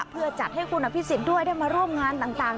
เพื่อจัดให้คุณอภิษฎด้วยได้มาร่วมงานต่าง